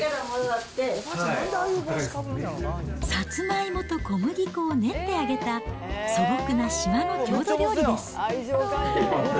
さつまいもと小麦とを練って揚げた素朴な島の郷土料理です。